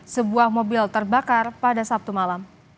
sebuah mobil terbakar pada sabtu malam